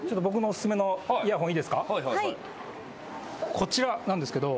こちらなんですけど。